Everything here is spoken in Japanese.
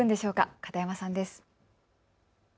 片山さんです。